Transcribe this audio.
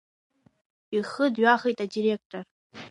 Ихы дҩахеит адиректор.